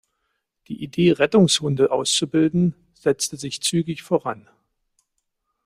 Die Idee, Rettungshunde auszubilden, setzte sich zügig voran.